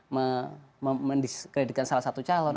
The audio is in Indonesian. memdiskreditkan salah satu calon